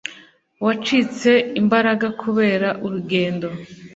wacitse imbaraga kubera urugendo